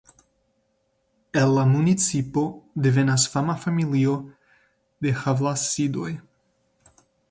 El la municipo devenas fama familio de Havlasidoj.